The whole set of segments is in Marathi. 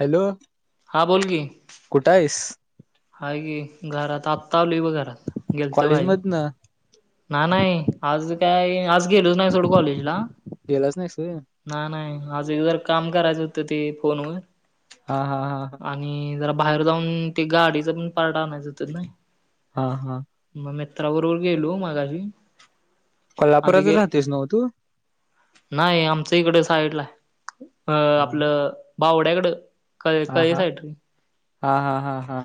हॅलो! हा बोल की. कुठ हाइस? हाय की घरात आत्ता आलोय बग घरात गेलतो कॉलेज बाहेर. मधनं नाही नाही आज काय आज गेलोच नाही सोड कॉलेजला. गेलास नाहीस होय. नाही नाही आज एक जरा काम करायचं होतं ते फोनवर. हा हा हा हा. आणि जरा बाहेर जाऊन ते गाडीचं पण पार्ट आणायचं होत ना. हा हा मग मित्राबरोबर गेलो मागाशी. कोल्हापुरातच राहतोयस नव्ह तू? नाही आमचं इकड साईडलाय अ हा आपलं बावड्याकडं. कळे हा कळे हा साईड रे हा हा हा हा.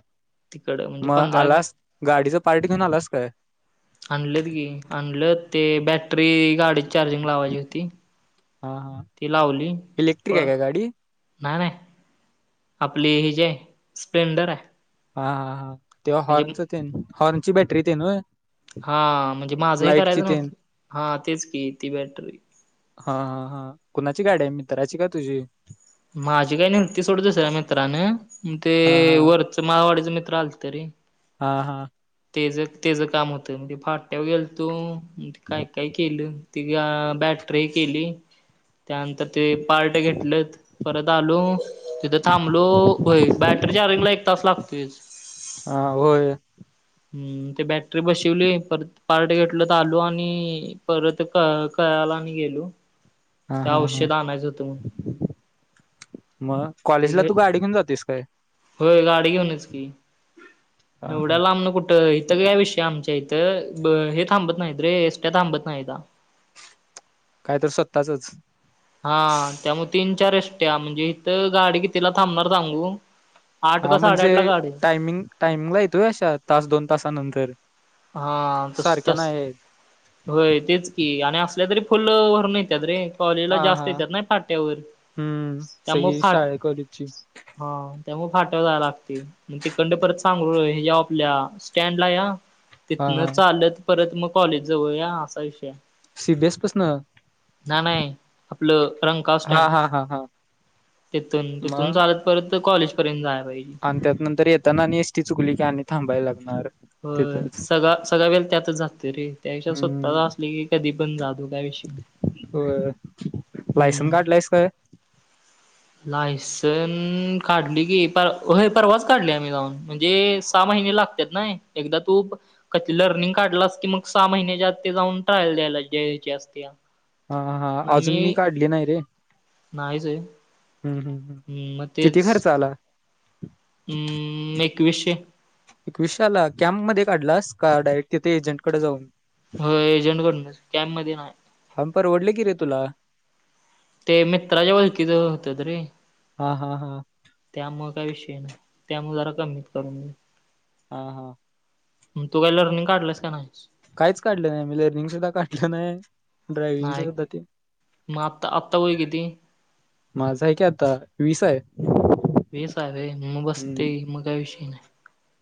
तिकडं म्हणजे मग पंधरा आलास गाडीचं पार्ट घेऊन आलास काय? आणलेत की आणलंत ते बॅटरी गाडीत चार्जिंग लावायची होती. हा हा ती लावली इलेक्ट्रिक प आहे काय गाडी? नाही नाही. आपली हे जीय स्प्लेंडर हाय. हा हा हा तेव्हा हॉर्नच ते हॉर्नची बॅटरी ते न होय? हा म्हणजे माझंही लाईटची करायचं तेन नवतं हा तेच की ती बॅटरी. हा हा हा कुणाची गाडी आहे मित्राची का तुझी? माझी काय नेलती सोड दुसऱ्या मित्रान ते हा हा वर च माळवाडीच मित्र आलत रे. हा हा. तेच तेच काम होतं मग ते फाट्यावर गेल तोे मग ती काय काय केलं. ति बॅटरी केली, त्यानंतर ते पार्ट घेतलत परत आलो, तिथ थांबलो होय बॅटरी चार्जिंग ला एक तास लागतोयच. आ होय. हम्म ते बॅटरी बसिवली परत पार्ट घेतलोत आलो आणि परत क कयाला आणि गेलो. हा त्या हा हा औषध आणायच होतं म्हणुन. मग ते कॉलेजला घे तू गाडी घेऊन जातोयस काय? होय गाडी घेऊनच की हा एवढ्या हा लांबण कुठ इथं का विषय आमच्या इथं हे थांबत नाहीत रे एसट्या थांबत नाहीता. काय तर स्वतःचच? हाआ, त्यामुळ तीन चार एष्ट्या म्हणजे इथं गाडी कितीला थांबणार सांगू? आठ का साडेआठ ला गाडी ऐ. टाइमिंगला येतोय अशा, तास दोन तासानंतर. हाआ तस सारख्या तस. नाही आहेत. होय, तेच की. आणि असल्या तरी फुल भरुन येत्यात रे. कॉलेजला हा जास्त हा येत्यात ना फाट्यावर. हम्म त्यामुळ सगळी फाट शाळे कॉलेजची हा त्यामुळे फाट्यावर जायला लागतयं. मग तिकडनं परत सांगरुळ ह्याच्याव आपल्या स्टँडला या. हा हा तिथनं चालत परत मग कॉलेज जवळ या, असा विषय आहे. सीबीएस पासन नाही. आपलं रंगकाव हा स्टॅण्ड. हा हा हा तिथून. तिथून मग चालत परत त कॉलेज पर्यंत जाया पाहिजे. आन त्यात नंतर येताना आणि एसटी चुकली की आणि थांबायला लागणार. होय. तिथंच सगआ सगआ वेल त्यातच जातोय रे. त्याविषय स्वतः हम्म असली की कधी पण जा तु काय विषय नई. होय. लायसन काढलायस काय? लायसनं? काढलय की. पर होय परवाच काढलय आम्ही जाऊन. म्हणजे सहा महिने लाग त्यात नाही. एकदा तू ब कती लर्निंग काढलास की मग सहा महिन्याच्या आत ते जाऊन ट्रायल द्यायला द्यायाची असतेया. आहाहा अजून मी काढली नाही रे. नाहीच हे. अ हम हम. हम् म तेच. अममम एकवीशे. एकविशे आला? कॅम् मध्ये काढलास का डायरेक्ट तिथे एजंट कडे जाऊन? हो एजंटकडनच. कॅम् मधे नाय. परवडलं की रे तुला. ते मित्राच्या ओळखीचं होततं रे. हा हा हा. त्यामुळे काही विषय नाही. त्यामुळे जरा कमीत करून [inaudible] हा हा. मंग तू काही लर्निंग काढलंस का नाहीस? काहीच काढलं नाही मी. लर्निंग सुद्धा काढलं नाही. ड्रायविंगच सुद्धा ते म आत्ता आत्ता वय किती? माझं आहे कि आता. वीस आहे. वीस आहे व्हय? मग हम्म बसतयं, म काय विषय नाही.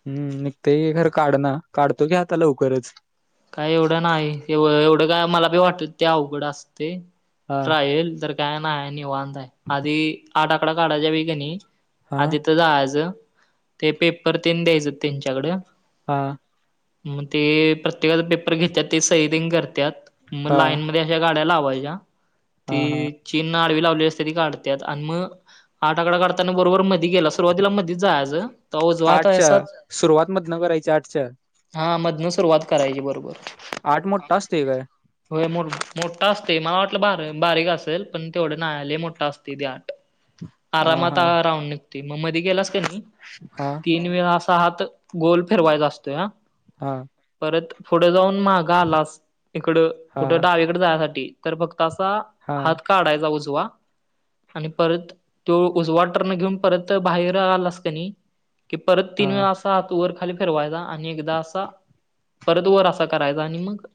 हम्म निघतयं खर काढना. काढतो की आता लवकरच. काय एवढं नाही. एवढं काय मला बी वाटत ते अवघड असतय. हा ट्रायल. काय नाय निवांत हाय. आधी आठ आकडा काढायच्या वेळी कनी, हा आधी तिथं जायाचं. ते पेपर तेन द्यायचं त्यांच्याकडं. हां मग ते प्रत्येकाचा पेपर घेत्यात ते सई दिन करत्यात. मग हा लाईनमध्ये या गाड्या लावायच्या. हा हा तीअ चीनन आडवी लावली असते ती काढत्यात आणि म आठ आकडा काढताना बरोबर मधी गेलास सुरुवातीला मधीच जायाच. तवा जो आठच्या आताहेसा सुरुवात मधनं करायची आठच्या हा मधनं सुरुवात करायची बरोबर. आठ मोठा असतोय काय होय मो मोठा असतय. मला वाटलं बार बारीक असलं, पण तेवढं नाय, लय मोठा असतय ते आट. हा आरामात हा राऊंड निघतो मग मध्ये गेलास का नाही हा तीन वेळ अस हात गोल फिरवायचा असतोय हां. हां. परत पुढं जाऊन मागं आलास इकड हा कुठं डावी कड जाय साठी तर फक्त असा हा हात काढायचा उजवा. आणि परत तो उजवा टर्न घेऊन परत बाहेर आलास की नाही की परत हा तीन वेळा असा हात वर खाली फिरवायचा आणि एकदा असा परत वर असा करायचा आणि मग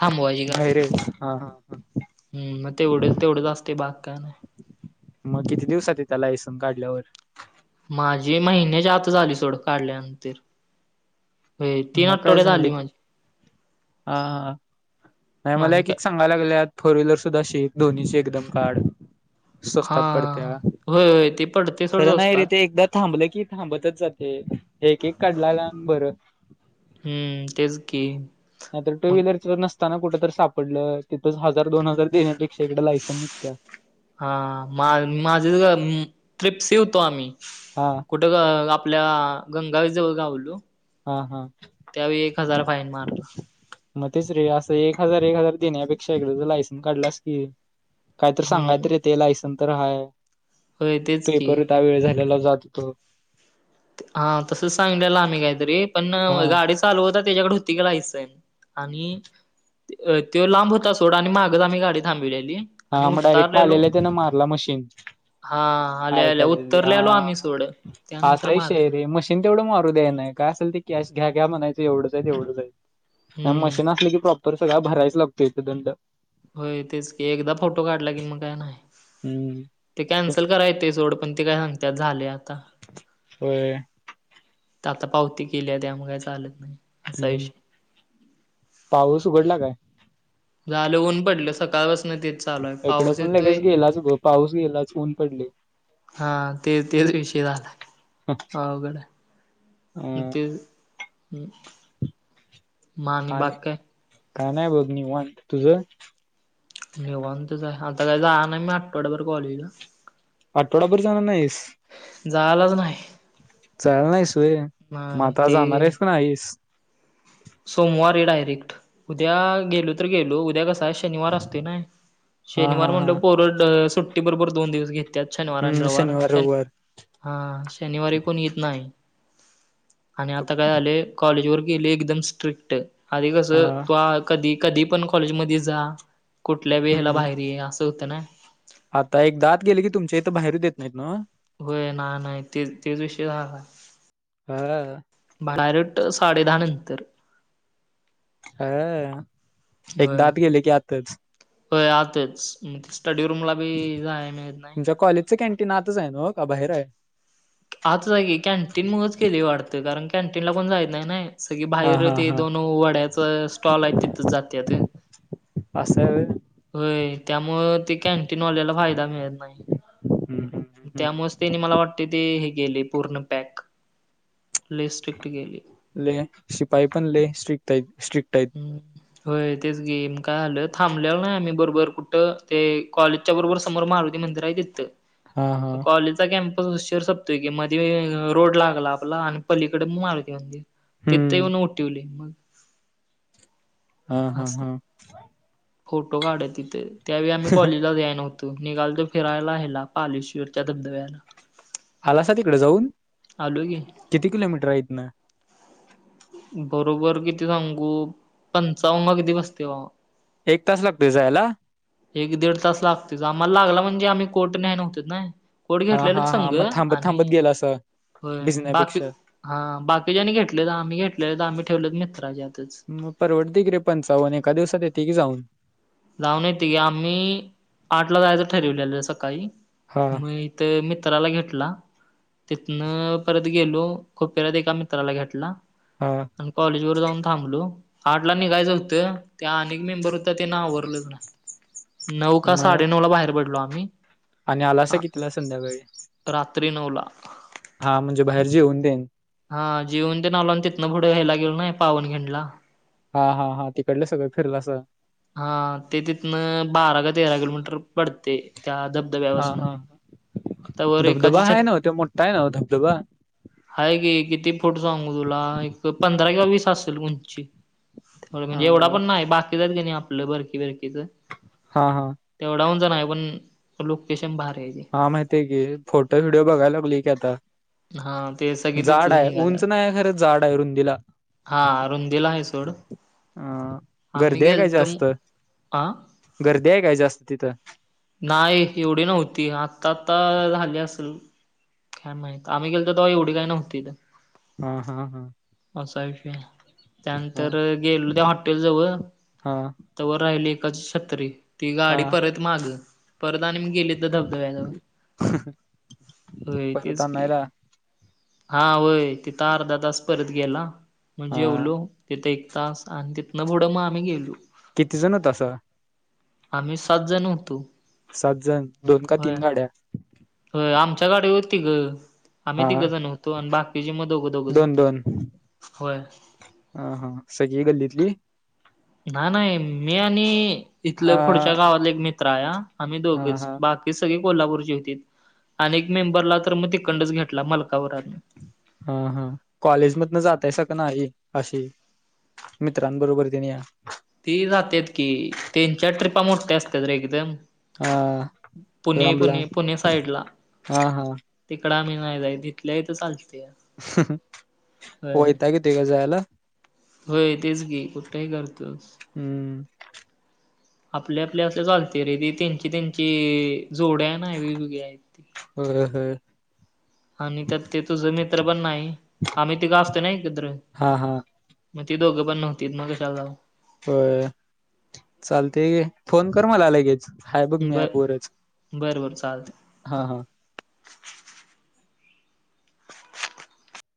थांबवायची गाडी बाहेर आहेत हा हा हा हम्म मग तेवढे तेवढेच असतंय बाकी काय नाही. मग किती दिवसात येत्या लायसन्स काढल्यावर? माझी महिन्याच्या आताच आली सोड काढल्यानंतर. होय तीन मग काय आठवड्यात झालं आली की माझी हां, नाही मला आणि एक काय एक सांग सांगय लागल्यात फोर व्हीलर सुद्धा शिक, दोन्हीची एकदम काढ. स्वस्तात हा पडत्या. होय होय ते पडतंय खरं नाही रे ते एकदा थांबलं की थांबतच जातंय. एक एक काढलेला आणि बरं. हम्म तेच की. नाही तर टू मग व्हीलर च पण नसताना कुठं तर सापडलं तिथंच हजार दोन हजार देण्यापेक्षा ईकड लायसन्स निघत्या. हां मा माझ ट्रिप्सी होतो आम्ही. हां. कुठं आपल्या गंगावेस जवळ गावलो. हां हां. त्यावेळी एक हजार फाईन मारला मग तेच रे असं एक हजार एक हजार देण्यापेक्षा, एकदाच लायसन्स काढलास की काय तर सांगाय हम्म तर येतंय. लायसन्स तर आहे. होय तेच की पेपर होता, वेळ झालेला जात होतो. हां तसच सांगितलेलं आम्ही काहीतरी, पण हा गाडीच चालवता त्याच्याकडं होती की लायसन्स आणि तो लांब होता सोड आणि मागच आम्ही गाडी थांबवलेली. हां मग डायरेक्ट आलेला त्यान मारला मशीन हा आल्या आहे आल्या कायतरी उतरलेलो आम्ही हां, सोड असा त्यानंतर मार विषय आहे रे मशीन तेवढं मारू द्यायच नाही. काय असल ते कॅश घ्या घ्या म्हणायचं. एवढंच आहेत तेवढंच आहेत. नाही हम्म मशीन असलं की प्रॉपर सगळा भरायच लागतोय तो दंड. होय तेच की, एकदा फोटो काढला की मग काय नाही. हम्म. ते कॅन्सल कराय येतंय सोड पण ते काय सांगतात झालेय आता. होय. आता पावती केल्या त्यामुळं काही चालत नाही. असा हम्म. विषय पाऊस उघडला काय? झाल ऊन पडलं सकाळपासन तेच. चालू आहे इकडं पाऊस पण लगेच येतोय गेलाच बघ, पाऊस गेलाच ऊन पडलंय. हां ते तेच विषय झालाय, अवघड आहे. अ तेच मग आणि बाकी काय? काय नाही बघ, निवांत. तुझं? निवांतच आहे. आता काय जायाय नाही मी आठवड्याभर कॉलेजला. आठवडाभर जाणार नाहीस? जायलाच नाही. जायाला नाहीस होय, म नाही आता ते जाणार आहेस का नाहीस? सोमवारी डायरेक्ट, उद्या गेलो तर गेलो, उद्या कसाय शनिवार असतोय नाय हा हा शनिवार हा. म्हणलं पोरं सुट्टी बरोबर दोन दिवस घेत त्यात शनिवार आणि हम्म रविवार शनिवार शनि रविवार हा शनिवारी कोणी येत नाही आणि आता काय झालंय कॉलेजवर गेले एकदम स्ट्रिक्ट आधी अ कसं तो कधी -कधी पण कॉलेजमध्ये जा, कुठल्या बी हेला हम्म. बाहेर ये, असं होतं ना. आता एकदा आत गेले की, तुमच्या इथं बाहेर येवू देत नाहीत नव? होय नाय-नाही ते तेच विषय झालाय. हा. बाहेर डायरेक्ट साडे दहा नंतर. हअ... होय एकदा आत गेलं की आतच. होय आताच मग ते स्टडी रूमला बी जाया मिळत नाय. च कॅनटीन आतच आहे नवं का बाहेर आहे? आतच आहे की, कॅन्टीन मुळंच केलयं वाटतं कारण कॅन्टीनला कोणी जाईत नाय नाय. सगळी हा बाहेर हा ते हा. दोन वड्याच स्टॉल आहेत तिथंच जात्यात. असं हाय व्हय. होय त्यामुळं त्या कॅन्टीनवाल्याला फायदा मिळत हम्म हम्म नाही हम्म हम्म. त्यामुळंच त्यांनी मला वाटतंय ते हे केलंय पूर्ण पॅक. लय स्ट्रिकट केलय. लय शिपाई पण लई स्ट्रिकट हायत, स्ट्रिकट हाईत. होय तेच की, मग काय झालं थांबलेलं नाय आम्हीं बरोबर कुठं ते कॉलेज च्या बरोबर समोर मारुती मंदिर आहे हा हा तिथं कॉलेजच्या कॅम्प उशीर सपतोय कि मध्ये रोड लागला आपला आणि पलीकडं मारुती मंदिर. तिथं हम्म येऊन उठिवलय. हा हा अस हा फोटो काढून तिथं त्यावेळी आम्ही कॉलेजला याय नव्हतो. तू निघालतो फिरायला ह्याला पालेश्वरच्या धबधब्याला. आलासा तिकडं जाऊन, आलो की किती किलोमीटर हाय हितनं? बरोबर किती सांगू पंचावन का किती बसतय बाबा. एक तास लागतोय जायाला? एक दीड तास लागतोयच आम्हांला लागला म्हणजे आम्ही कोट न्याय नव्हतो ना. कोट हा घेतल्यालत हा हा संग मग थांबत आणि थांबत गेला असं होय बाकी भिजण्यापेक्षा हा बाकीच्यांनी घेतलं आम्हीं घेतलेले तर आम्हीं ठेवलेत मित्राच्यात. परवडतय की रे पंचावन एका दिवसात येतयं की जाऊन. जाऊन येतंय की, आम्हीं आठला जायाचं ठरीवल्यालं सकाळी हा म ते मित्राला घेतला. तिथनं परत गेलो खुपिऱ्यात एका मित्राला घेतला. हा.. आणि कॉलेज वर जाऊन थांबलो, आठला निघायचं होतं ते अनेक मेंबर होतं तं तेनं आवरलंच नाही नऊ का मग साडे नऊला बाहेर पडलो आम्हीं. आणि आलासा कितीला संध्याकाळी. रात्री नऊला. हा म्हणजे बाहेर जेऊन तेन, हा जेऊन तेन आलो आणि तिनं पुढं हेला गेलो नाही पावनखिंडला. हा.. हा.. हा.. तिकडलं सगळं फिरलासा. हा ते तिथनं बारा का तेरा किलोमीटर पडते त्या धब हा हा हा एकाची धबधबा हाय छत नव्ह ते मोठा हाय नव्ह धबधबा आहे की किती फूट सांगू तुला एक पंधरा किंवा वीस असेल उंची होय हा म्हणजे एवढा पण नाही बाकीच आहेत की नाही आपलं बरकी बरकीच हा हा तेवढा उंच नाही पण लोकेशन भारी आहे ते हां माहिती हाय की फोटो व्हिडिओ बघायला लागलो की आता हा ते सगळे जाड तिथंच आहे निघाल्यात. उंच नाहीय खरं जाड आहे रुंदीला हा रुंदीला हाय सोड हा हा आम्ही गर्दी आहे काय गेलतो जास्त हा गर्दी आहे काय जास्त तिथं नाही एवढी नव्हती आत्ता आता झाली असेल काय माहित आम्ही गेलतो तवा एवढी काय नव्हती हा हा हा असा विषय हा त्यानंतर गेलो त्या हॉटेल जवळ हा तवर राहिली एकाची छत्री, ती हा गाडी परत माग परत आणि मग गेलीत धबधब्या जवळ होय परत तेच की आणायला हा होय तिथ अर्धा तास परत गेला मग हा जेवलो तिथं एक तास आणि तिथन पुढ आम्ही गेलो किती जणत होतासा आम्ही सात जण होतो सात जण दोन का होय तीन गाड्या होय आमच्या गाडीवर तिघ हा आम्ही तिघजण होतो आणि बाकीचे मग दोघं दोघंच दोन दोन होय हा हा सगळी गल्लीतली नाही नाही मी आणि हा इथलं पुढच्या गावातल एक मित्र हाया आम्ही हा दोघच हा बाकी ती सगळी कोल्हापुरची होतीत अनेक मेंबरला तर मग तिकडनच घेतला मल्कापुरातनच हा हा कॉलेजमधन जातयसा काय नाही अशी मित्रांबरोबर तेन या ती जात्यात की त्यांच्या ट्रिपा मोठ्या असत्यात रे एकदम हा पुणे लांब पुणे लांब पुणे साईडला हा हा तिकडं आम्ही नाही जाईत इथल्या इथ चालतय वयताग येतोय काय जायला होय तेच कि कुठंही करतोस हम्म आपल्या आपल्या असं चालत्या रे ती त्यांची त्यांची जोड्या आहेना वेगवेगळ्या आहेत होय होय आणि त्यात तो तुझा मित्र पण नाही आम्ही तिघ आसतो ना एकत्र हा हा मग ती दोघं पण नव्हतीत मग कशाला जाऊ होय चालतय घे फोन कर मला लगेच हाय बघ मी ऍप वरच बर बर चालतय हा हा